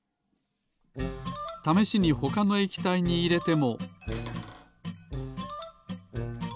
ためしにほかの液体にいれても。